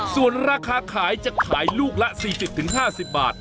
ส่วนราคาขายจะขายลูกละ๔๐๕๐บาท